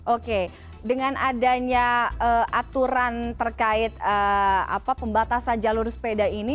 oke dengan adanya aturan terkait pembatasan jalur sepeda ini